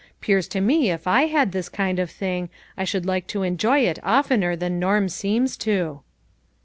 'Pears to me if I had this kind of thing, I should like to enjoy it oftener than Norm seems to."